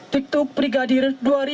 tiktok brigadir dua ribu tiga belas